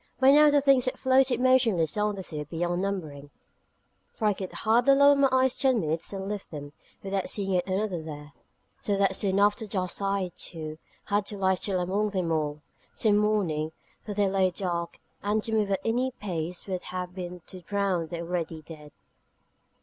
By now the things that floated motionless on the sea were beyond numbering, for I could hardly lower my eyes ten minutes and lift them, without seeing yet another there: so that soon after dusk I, too, had to lie still among them all, till morning: for they lay dark, and to move at any pace would have been to drown the already dead.